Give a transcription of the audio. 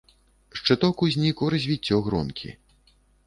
Шчыток узнік у развіццё гронкі.